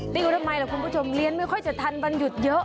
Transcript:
ติ้วทำไมล่ะคุณผู้ชมเรียนไม่ค่อยจะทันวันหยุดเยอะ